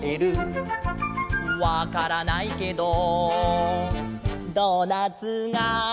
「わからないけどドーナツが」